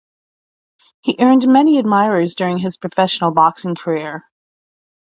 He earned many admirers during his professional boxing career.